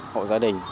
hộ gia đình